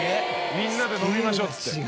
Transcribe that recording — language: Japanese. みんなで飲みましょうって。